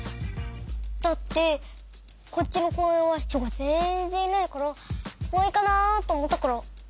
だってこっちのこうえんは人がぜんぜんいないからこわいかなあとおもったから。